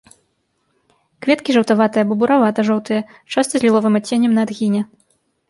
Кветкі жаўтаватыя або буравата-жоўтыя, часта з ліловым адценнем на адгіне.